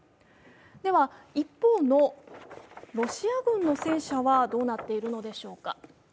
では、一方のロシア軍の戦車はどうなっているのでしょうか。